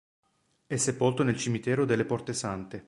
È sepolto nel cimitero delle Porte Sante.